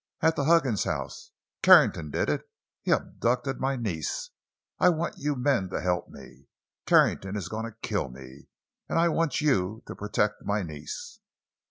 At the Huggins house! Carrington did it! He abducted my niece! I want you men to help me! Carrington is going to kill me! And I want you to protect my niece!"